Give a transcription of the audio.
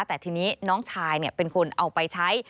แต่ทีนี้น้องชายเป็นคนเอาไปใช้